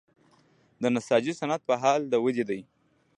د نساجي صنعت په حال د ودې دی